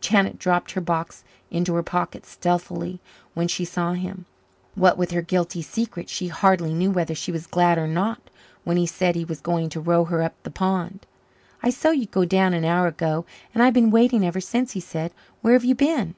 Janet dropped her box into her pocket stealthily when she saw him. What with her guilty secret, she hardly knew whether she was glad or not when he said he was going to row her up the pond. "I saw you go down an hour ago and I've been waiting ever since," he said. "Where have you been?"